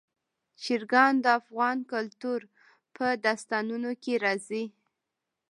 چرګان د افغان کلتور په داستانونو کې راځي.